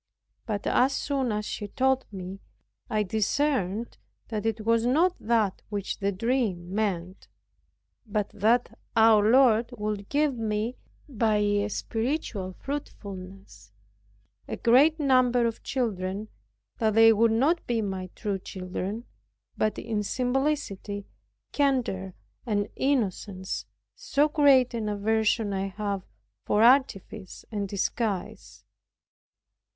But as soon as she told me, I discerned that it was not that which the dream meant; but that our Lord would give me, by a spiritual fruitfulness, a great number of children; that they would not be my true children, but in simplicity, candor and innocence. So great an aversion I have to artifice and disguise.